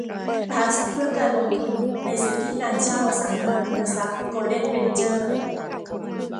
ทรัสต์เพื่อการลงทุนในสิทธิการเช่าอสังหาริมทรัพย์โกลเด้นเวนเจอร์